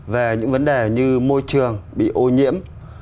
về những vấn đề như môi trường bị ô nhiễm